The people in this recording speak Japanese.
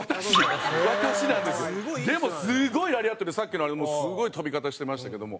でもすごいラリアットでさっきのあれもすごい跳び方してましたけども。